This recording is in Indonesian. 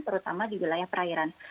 terutama di wilayah perairan